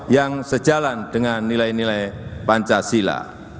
yang sejalan dengan nilai nilai pancasila